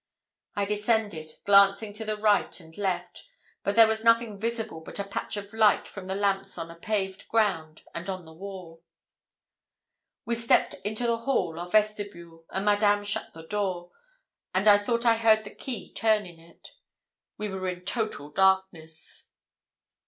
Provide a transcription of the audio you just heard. I descended, glancing to the right and left, but there was nothing visible but a patch of light from the lamps on a paved ground and on the wall. We stepped into the hall or vestibule, and Madame shut the door, and I thought I heard the key turn in it. We were in total darkness.